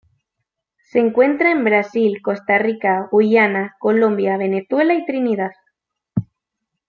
Se encuentra en Brasil, Costa Rica, Guyana, Colombia, Venezuela y Trinidad.